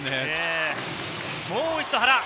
もう一度、原。